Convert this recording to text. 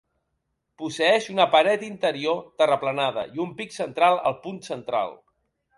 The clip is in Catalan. Posseeix una paret interior terraplenada i un pic central al punt central.